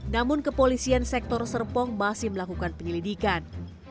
namun kepolisian sektor serpong masih melakukan penyelidikan